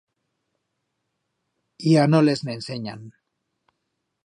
Ya no les n'ensenyan.